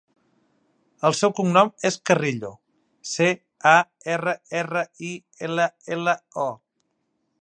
El seu cognom és Carrillo: ce, a, erra, erra, i, ela, ela, o.